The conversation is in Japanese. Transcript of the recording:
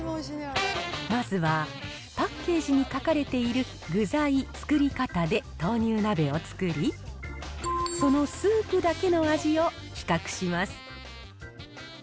まずは、パッケージに書かれている具材、作り方で豆乳鍋を作り、そのスープだけの味を、比較します。